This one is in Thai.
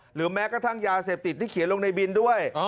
หรือแม้กระทั่งยาเสพติดที่เขียนลงในบินด้วย